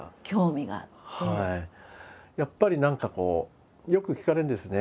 やっぱり何かこうよく聞かれるんですね。